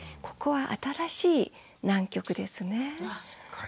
ここは新しい難局ですね。